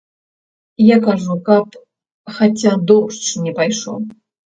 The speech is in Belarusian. Я кажу, каб хаця дождж не пайшоў.